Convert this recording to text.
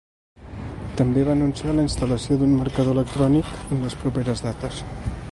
També va anunciar la instal·lació d’un marcador electrònic en les properes dates.